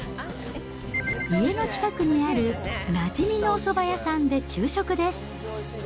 家の近くにあるなじみのおそば屋さんで昼食です。